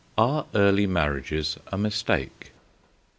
ARE EARLY MARRIAGES A MISTAKE?